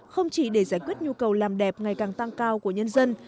không chỉ để giải quyết nhu cầu làm đẹp ngày càng tăng cao của nhân dân